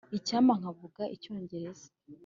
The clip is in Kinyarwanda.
icyampa nkavuga icyongereza